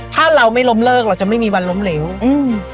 ถ้าเราไม่ล้มเลิกเราจะไม่มีวันล้มเหลวอืม